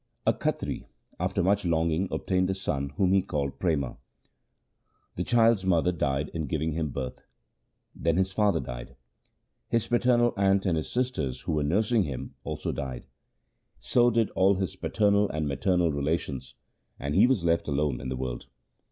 A Khatri after much longing obtained a son whom he called Prema. The child's mother died in giving him birth. Then his father died. His paternal aunt and his sisters, who were nursing him, also died. So did all his paternal and maternal relations, and he was left alone in the world.